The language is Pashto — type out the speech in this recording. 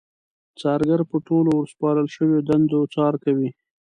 څارګر په ټولو ورسپارل شويو دنده څار کوي.